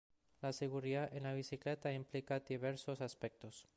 La seguridad en la bicicleta implica diversos aspectos.